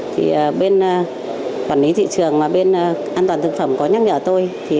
thì bên quản lý thị trường và bên an toàn thực phẩm có nhắc nhở tôi